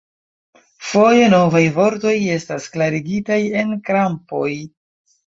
Foje novaj vortoj estas klarigitaj en krampoj.